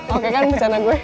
oke kan bencana gue